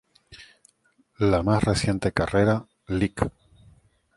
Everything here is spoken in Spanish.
La más reciente carrera, Lic.